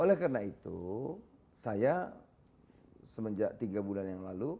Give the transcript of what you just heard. oleh karena itu saya semenjak tiga bulan yang lalu